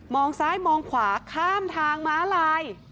ซ้ายมองขวาข้ามทางม้าลาย